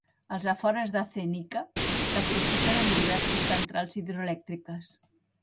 Als afores de Zenica l'aprofiten en diverses centrals hidroelèctriques.